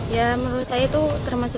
ya menurut saya itu termasuk